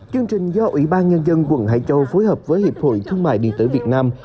chương trình do ủy ban nhân dân quận hải châu phối hợp với hiệp hội thương mại điện tử việt nam